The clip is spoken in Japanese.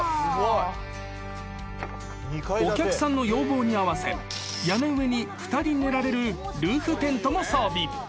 ［お客さんの要望に合わせ屋根上に２人寝られるルーフテントも装備］